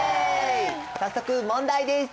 早速問題です！